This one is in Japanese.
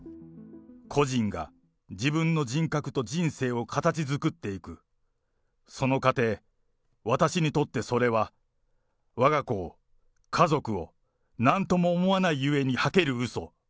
個人が自分の人格と人生を形作っていく、その過程、私にとってそれはわが子を、家族を、なんとも思わないゆえに吐けるうそ。